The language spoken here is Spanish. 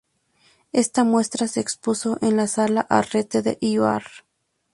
Esta muestra se expuso en la sala Arrate de Eibar.